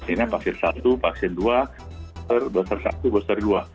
ini vaksin satu vaksin dua booster satu booster dua